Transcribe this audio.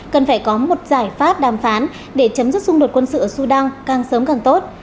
cần phải có một giải pháp đàm phán để chấm dứt xung đột quân sự ở sudan càng sớm càng tốt